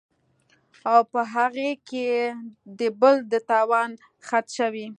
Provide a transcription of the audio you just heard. او پۀ هغې کې د بل د تاوان خدشه وي